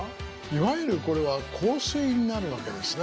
いわゆるこれは香水になるわけですね。